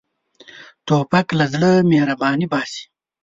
توپک له زړه مهرباني باسي.